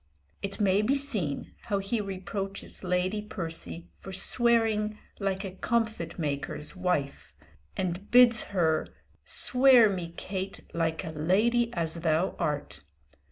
It may be seen how he reproaches Lady Percy for swearing "like a comfit maker's wife," and bids her "swear me, Kate, like a lady as thou art!"